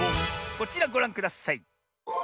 こちらごらんください！